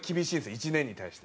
１年に対して。